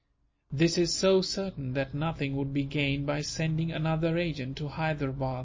This is so certain that nothing would be gained by sending another agent to Hyderabad.